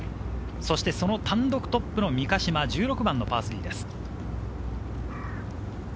そしてその単独トップの三ヶ島、１６番パー３です。